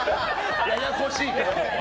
ややこしいけど。